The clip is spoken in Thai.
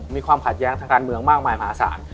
มีความขัดแย้งทางการเมืองมากมายมหาศาล